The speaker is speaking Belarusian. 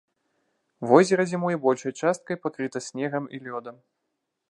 Возера зімой большай часткай пакрыта снегам і лёдам.